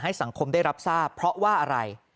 สังคมได้รับทราบเพราะว่าอะไร